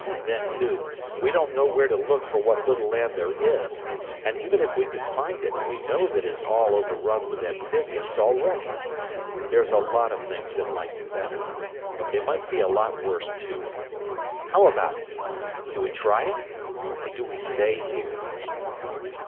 Then, too, we don't know where to look for what little land there is, and, even if we could find it, we know that it is all over run with amphibians already. There's a lot of things that might be better, but they might be a lot worse, too. How about it? Do we try it or do we stay here?"